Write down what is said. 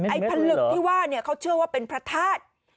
ไอ้พลึกที่ว่าเขาเชื่อว่าเป็นพระธาตุ